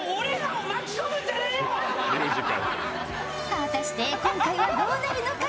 果たして今回はどうなるのか？